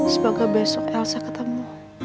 semoga besok elsa ketemu